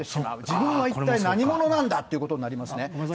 自分は一体何者なんだということなんですね。